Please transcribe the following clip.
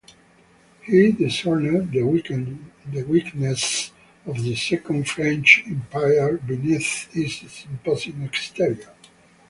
He discerned the weakness of the second French empire beneath its imposing exterior.